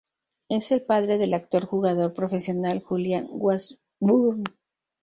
Es el padre del actual jugador profesional Julian Washburn.